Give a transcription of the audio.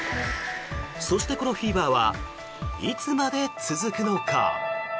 そして、このフィーバーはいつまで続くのか。